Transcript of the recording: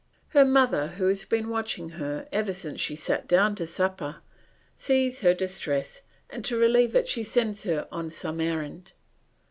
Her mother, who has been watching her ever since she sat down to supper, sees her distress, and to relieve it she sends her on some errand.